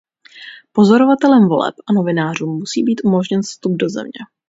Pozorovatelem voleb a novinářům musí být umožněn vstup do země.